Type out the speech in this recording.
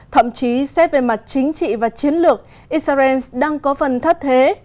thậm chí xét về mặt chính trị và chiến lược israel đang có phần thất thế